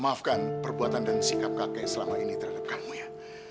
maafkan perbuatan dan sikap kakek selama ini terhadap kamu ya